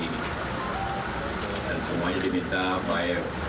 yang mendirikan hal ini mitad dan wow